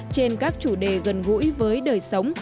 trên các chủ đề gần gũi với đời sống